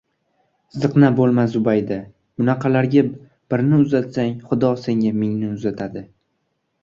-Ziqna bo’lma, Zubayda! Bunaqalarga birni uzatsang, xudo senga mingni uzatadi.